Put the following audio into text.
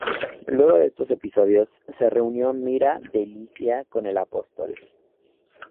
Luego de estos episodios se reunió en Myra de Licia con el apóstol.